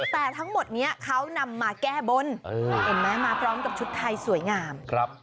แต่ทั้งหมดนี้เขานำมาแก้บนเห็นไหมมาพร้อมกับชุดไทยสวยงาม